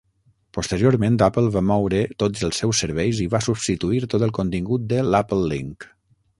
Posteriorment Apple va moure tots els seus serveis i va substituir tot el contingut de l'AppleLink.